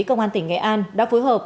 công an tỉnh nghệ an đã phối hợp